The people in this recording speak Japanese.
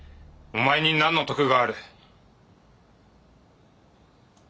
お前に何の得がある？